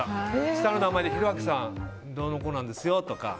下の名前で、博明さんどうのこうのなんですよとか。